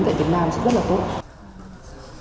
tại việt nam sẽ rất là tốt